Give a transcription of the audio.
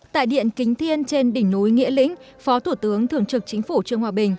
tại điện kính thiên trên đỉnh núi nghĩa lĩnh phó thủ tướng thường trực chính phủ trương hòa bình